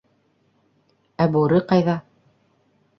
— Ә Бүре ҡайҙа?